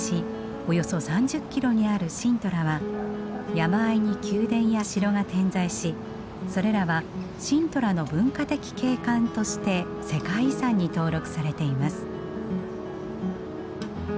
およそ３０キロにあるシントラは山あいに宮殿や城が点在しそれらはシントラの文化的景観として世界遺産に登録されています。